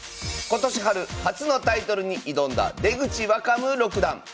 今年春初のタイトルに挑んだ出口若武六段。